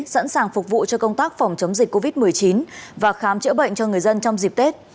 sẵn sàng phục vụ cho công tác phòng chống dịch covid một mươi chín và khám chữa bệnh cho người dân trong dịp tết